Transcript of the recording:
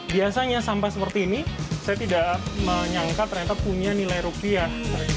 biasanya sampah seperti ini saya tidak menyangka ternyata punya nilai rupiah